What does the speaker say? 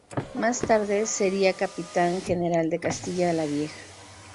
Más tarde sería Capitán General de Castilla la Vieja.